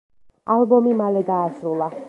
ალბომი მალე დაასრულა.